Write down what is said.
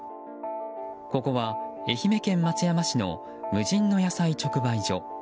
ここは、愛媛県松山市の無人の野菜直売所。